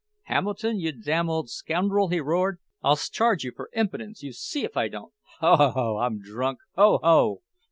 "Hamilton, you damn ole scoundrel," he roared, "I'll 'scharge you for impudence, you see 'f I don't! Ho, ho, ho! I'm drunk! Ho, ho!"